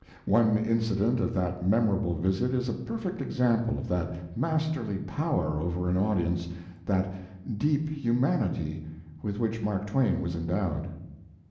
One incident of that memorable visit is a perfect example of that masterly power over an audience, that deep humanity, with which Mark Twain was endowed.